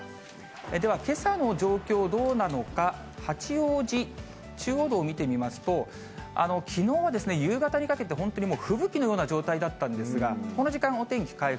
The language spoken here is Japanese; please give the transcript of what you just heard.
ではけさの状況、どうなのか、八王子中央道見てみますと、きのうは夕方にかけて、本当に吹雪のような状態だったんですが、この時間、お天気回復。